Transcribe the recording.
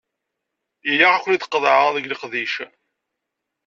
Ilaq ad ken-id-qeḍɛeɣ deg leqdic.